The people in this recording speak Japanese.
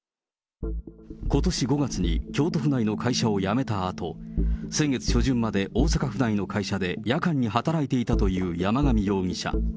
ことし５月に京都府内の会社を辞めたあと、先月初旬まで大阪府内の会社で夜間に働いていたという山上容疑者。